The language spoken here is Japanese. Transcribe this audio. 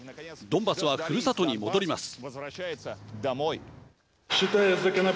ドンバスはふるさとに戻ります。